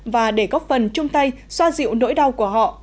và để góp phần chung tay xoa dịu nỗi đau của họ